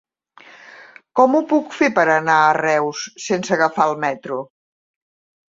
Com ho puc fer per anar a Reus sense agafar el metro?